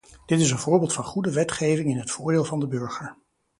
Dit is een voorbeeld van goede wetgeving in het voordeel van de burger.